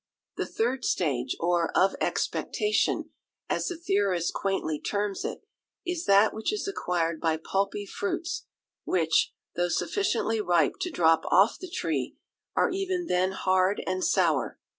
The third stage, or of Expectation, as the theorist quaintly terms it, is that which is acquired by pulpy fruits, which, though sufficiently ripe to drop off the tree, are even then hard and sour.